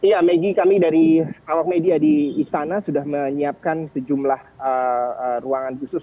ya maggie kami dari awak media di istana sudah menyiapkan sejumlah ruangan khusus